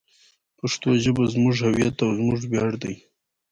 پښتو ژبه زموږ هویت او زموږ ویاړ دی.